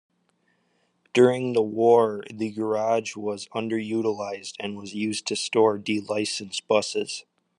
During the war the garage was underutilised and was used to store de-licensed buses.